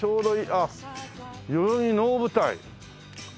あっ「代々木能舞台」。